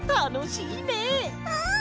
うん！